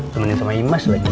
temenin sama imas lagi